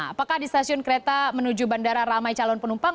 apakah di stasiun kereta menuju bandara ramai calon penumpang